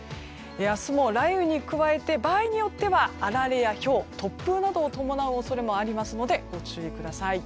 明日も雷雨に加えて場合によってはあられやひょう突風などを伴う恐れもありますのでご注意ください。